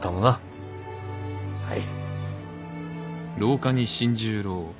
はい。